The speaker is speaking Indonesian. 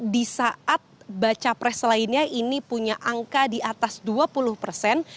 di saat baca pres lainnya ini punya angka di atas dua puluh persen